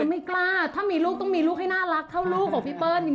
ไม่กล้าถ้ามีลูกต้องมีลูกให้น่ารักเท่าลูกของพี่เปิ้ลจริง